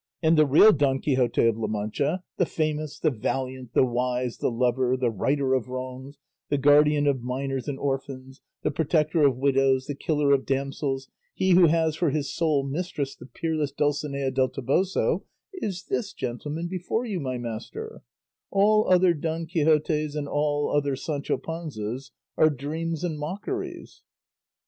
And the real Don Quixote of La Mancha, the famous, the valiant, the wise, the lover, the righter of wrongs, the guardian of minors and orphans, the protector of widows, the killer of damsels, he who has for his sole mistress the peerless Dulcinea del Toboso, is this gentleman before you, my master; all other Don Quixotes and all other Sancho Panzas are dreams and mockeries."